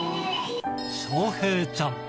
翔平ちゃん。